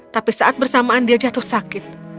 tapi saat bersamaan dia jatuh sakit